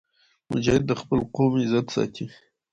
مجاهد د خپل قوم عزت ساتي.